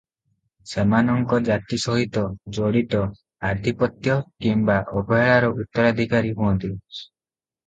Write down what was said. ସେମାନଙ୍କ ଜାତି ସହିତ ଜଡ଼ିତ ଆଧିପତ୍ୟ କିମ୍ବା ଅବହେଳାର ଉତ୍ତରାଧିକାରୀ ହୁଅନ୍ତି ।